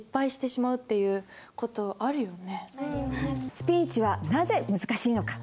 スピーチはなぜ難しいのか？